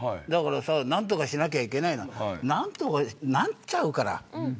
だからさ、何とかしなきゃいけないなんて何とかなっちゃうから。